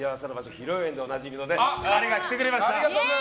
披露宴でおなじみの彼が来てくれました。